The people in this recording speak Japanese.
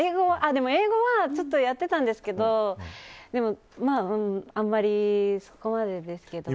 英語はちょっとやってたんですけどあんまり、そこまでですけど。